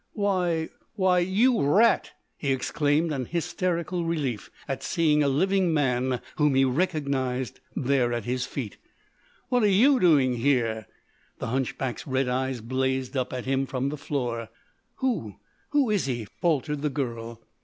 "Why—why—you rat!" he exclaimed in hysterical relief at seeing a living man whom he recognised there at his feet. "What are you doing here?" The hunchback's red eyes blazed up at him from the floor. "Who—who is he?" faltered the girl.